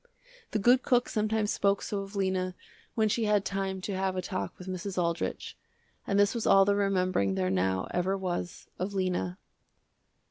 The good cook sometimes spoke so of Lena when she had time to have a talk with Mrs. Aldrich, and this was all the remembering there now ever was of Lena.